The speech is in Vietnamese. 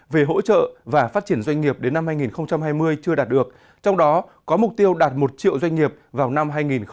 về hỗ trợ và phát triển doanh nghiệp đến năm hai nghìn hai mươi chưa đạt được trong đó có mục tiêu đạt một triệu doanh nghiệp vào năm hai nghìn hai mươi